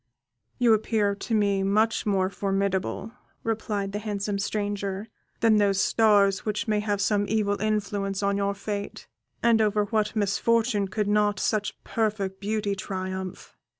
"You appear to me much more formidable," replied the handsome stranger, "than those stars which may have some evil influence on your fate, and over what misfortune could not such perfect beauty triumph!